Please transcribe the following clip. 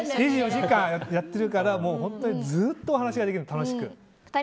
２４時間やってるからずっとお話ができるの、楽しく。